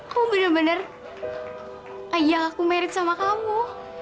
kamu bener bener kayak aku married sama kamu